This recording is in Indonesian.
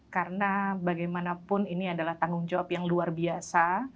karena bagaimanapun ini adalah tanggung jawab yang luar biasa